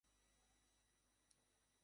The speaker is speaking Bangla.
খুব কম মানুষই প্রভেদ ধরতে পারে।